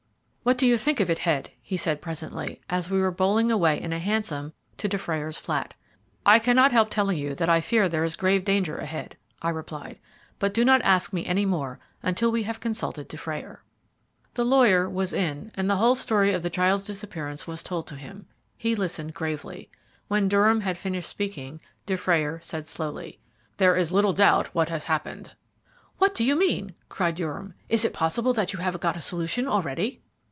"What do you think of it, Head?" he said presently, as we were bowling away in a hansom to Dufrayer's flat. "I cannot help telling you that I fear there is grave danger ahead," I replied; "but do not ask me any more until we have consulted Dufrayer." The lawyer was in, and the whole story of the child's disappearance was told to him. He listened gravely. When Durham had finished speaking, Dufrayer said slowly: "There is little doubt what has happened." "What do you mean?" cried Durham. "Is it possible that you have got a solution already?"